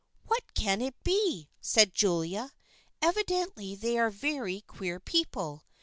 "What can it be?" said Julia, "Evidently they are very queer people.